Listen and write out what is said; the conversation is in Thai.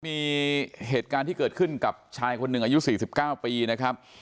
มีเหตุการณ์ที่เกิดขึ้นกับชายคนหนึ่งอายุ๔๙ปีนะครับ